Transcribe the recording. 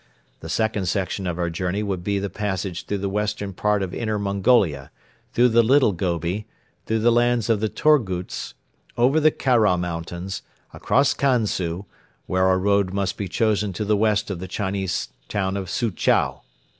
The second section of our journey would be the passage through the western part of Inner Mongolia, through the Little Gobi, through the lands of the Torguts, over the Khara Mountains, across Kansu, where our road must be chosen to the west of the Chinese town of Suchow.